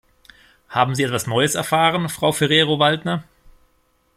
Haben Sie etwas Neues erfahren, Frau Ferrero-Waldner?